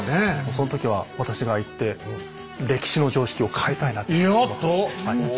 その時は私が行って歴史の常識を変えたいなと思ってます。